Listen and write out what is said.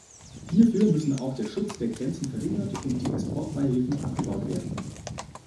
Hierfür müssen auch der Schutz der Grenzen verringert und die Exportbeihilfen abgebaut werden.